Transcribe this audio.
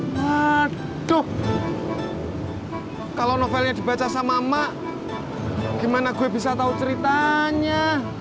aduh kalau novelnya dibaca sama emak gimana gue bisa tahu ceritanya